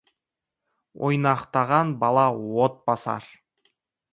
Ойнақтаған бала от басар.